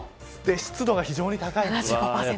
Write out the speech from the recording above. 湿度が非常に高いです。